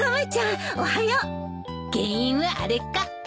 原因はあれか！